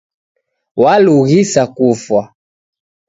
W'alughisa kufwa